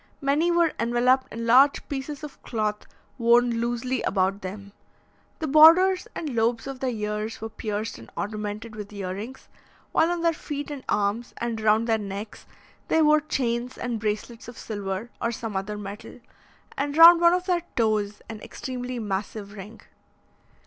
Many were enveloped in large pieces of cloth worn loosely about them. The borders and lobes of their ears were pierced and ornamented with ear rings, while on their feet and arms, and round their necks, they wore chains and bracelets of silver, or some other metal, and round one of their toes an extremely massive ring.